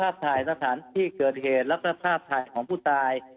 ภาพทายสถานที่เกิดเหตุและภาพทายของผู้ตาย